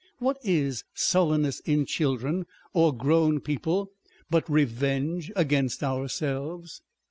What is sullenness in children or grown people but revenge against ourselves